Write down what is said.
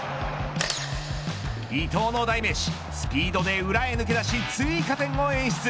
伊東の代名詞スピードで裏へ抜け出し追加点を演出。